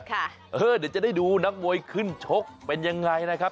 เดี๋ยวจะได้ดูนักมวยขึ้นชกเป็นยังไงนะครับ